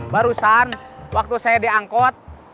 barusan waktu saya di angkot